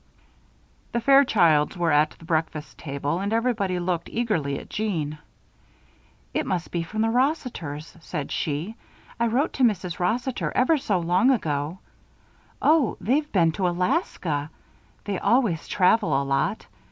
The Fairchilds were at the breakfast table and everybody looked eagerly at Jeanne. "It must be from the Rossiters," said she. "I wrote to Mrs. Rossiter ever so long ago oh! they've been to Alaska they always travel a lot.